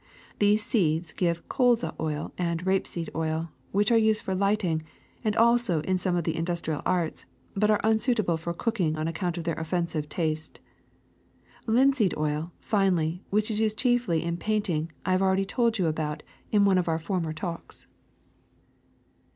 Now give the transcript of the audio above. These seeds give colza oil and rapeseed oil, which are used for lighting and also in some of the indus trial arts, but are unsuitable for cooking on account of their otf ensive taste. ^* Linseed oil, finally, which is used chiefly in paint ing, I have already told you about in one of our former talks.